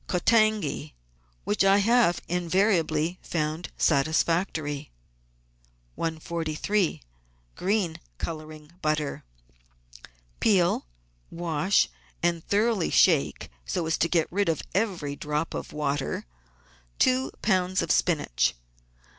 Kotangi, which I have invariably found satisfactory. 143— GREEN COLOURING BUTTER Peel, wash, and thoroughly shake (so as to get rid of every drop of water) two lbs. of spinach.